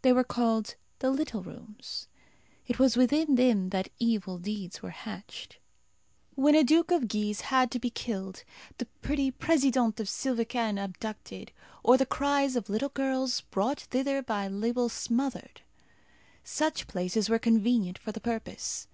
They were called "The Little Rooms." It was within them that evil deeds were hatched. When a Duke of Guise had to be killed, the pretty Présidente of Sylvecane abducted, or the cries of little girls brought thither by Lebel smothered, such places were convenient for the purpose.